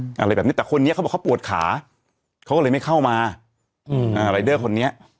อะไรแบบนี้แต่คนนี้เขาบอกเขาปวดขาเขาก็เลยไม่เข้ามาอืมอ่ารายเดอร์คนนี้